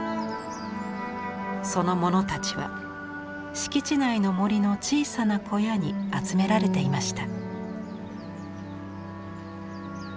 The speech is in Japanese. その物たちは敷地内の森の小さな小屋に集められていました。